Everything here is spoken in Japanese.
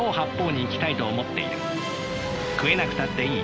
食えなくたっていい。